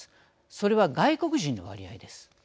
それは外国人の割合です。